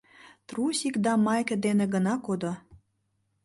Трусик да майке дене гына кодо.